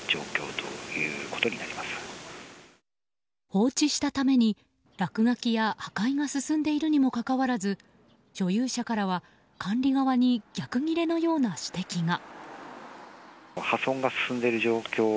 放置したために落書きや破壊が進んでいるにもかかわらず所有者からは管理側に逆ギレのような指摘が。